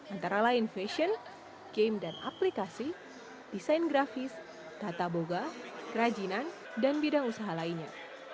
antara lain fashion game dan aplikasi desain grafis tata boga kerajinan dan bidang usaha lainnya